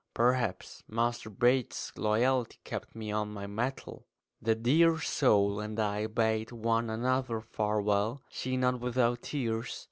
Perhaps Master Bates's loyalty kept me on my mettle. The dear soul and I bade one another farewell, she not without tears.